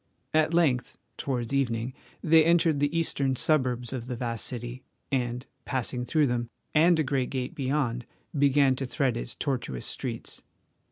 At length, towards evening, they entered the eastern suburbs of the vast city and, passing through them and a great gate beyond, began to thread its tortuous streets.